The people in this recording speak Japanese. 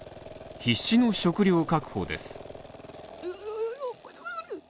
必死の食料確保です。